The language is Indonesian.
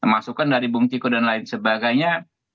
masukan dari bung ciko dan lain sebagainya